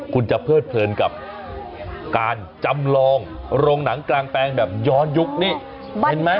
คุณจะเพิดเพลินกับการจำลองโรงหนังกลางแปลงแบบย้อนยุคนี่เห็นไหม